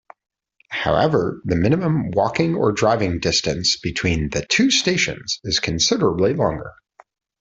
However the minimum walking or driving distance between the two stations is considerably longer.